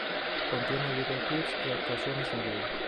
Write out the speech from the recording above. Contiene videoclips y actuaciones en vivo.